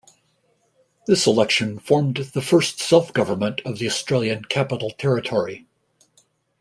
This election formed the first self-government of the Australian Capital Territory.